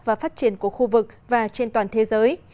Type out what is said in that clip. và phát triển của khu vực và trên toàn thế giới